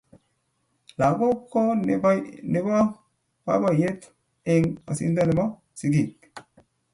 langok ko nebo baibaiet eng osindo nebo singik